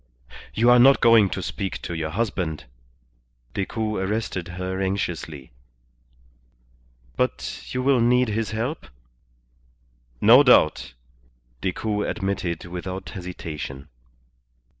"You are not going to speak to your husband?" Decoud arrested her anxiously. "But you will need his help?" "No doubt," Decoud admitted without hesitation.